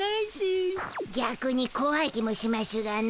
ぎゃくにこわい気もしましゅがの。